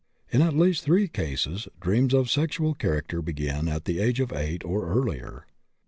In at least 3 cases dreams of a sexual character began at the age of 8 or earlier.